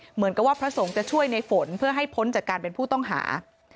เหมือนกับว่าพระสงฆ์จะช่วยในฝนเพื่อให้พ้นจากการเป็นผู้ต้องหา